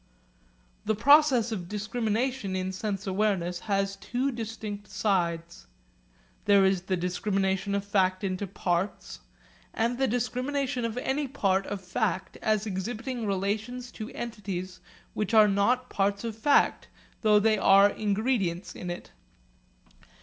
The process of discrimination in sense awareness has two distinct sides. There is the discrimination of fact into parts, and the discrimination of any part of fact as exhibiting relations to entities which are not parts of fact though they are ingredients in it.